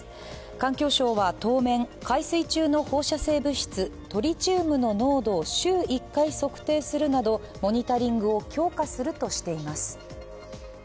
環境省は当面海水中の放射性物質、トリチウムの濃度を週１回測定するなど、モニタリングを強化するとしています。